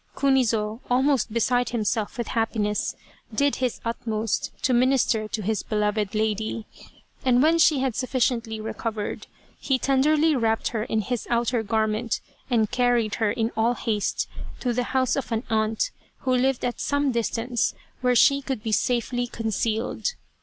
Kunizo, almost beside himself with happiness, did his utmost to minister to his beloved lady, and when she had sufficiently recovered, he tenderly wrapped her in his outer garment and carried her in all haste to the house of an aunt, who lived at some distance, where she could be safely concealed.